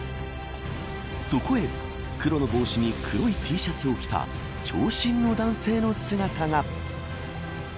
そこへ黒の帽子に黒いＴシャツを着た長身の男性の姿が。